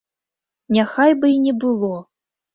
Няхай бы і не было!